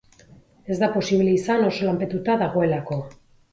Ez da posible izan oso lanpetuta dagoelako.